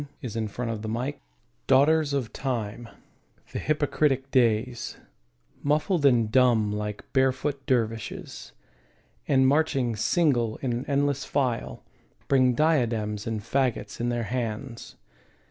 Ralph Waldo Emerson Days DAUGHTERS of Time, the hypocritic Days, Muffled and dumb like barefoot dervishes, And marching single in an endless file, Bring diadems and faggots in their hands.